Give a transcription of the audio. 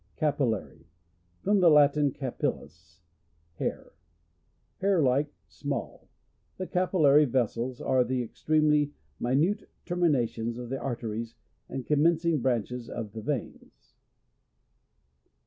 : Capillary. — From the Latin, co/fif/us, hair. Hair like, small. The capil lary vessels are the extremely min ute terminations of the arteries and commencing branches of the veins.